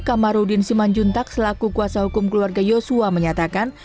kamarudin siman juntak selaku kuasa hukum keluarga joshua menyatakan